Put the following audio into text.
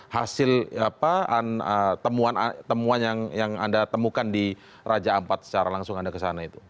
hasil temuan yang anda temukan di raja ampat secara langsung anda kesana itu